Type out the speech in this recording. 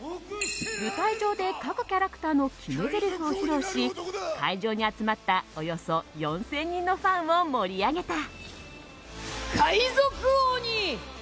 舞台上で各キャラクターの決めぜりふを披露し会場に集まったおよそ４０００人のファンを盛り上げた。